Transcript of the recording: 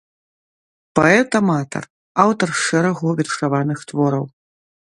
Паэт-аматар, аўтар шэрагу вершаваных твораў.